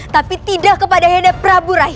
tapi tidak kepada yadav prabu raih